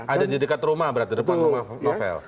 ada di dekat rumah berarti di depan rumah novel